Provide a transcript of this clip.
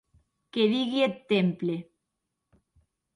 Qué digui eth temple!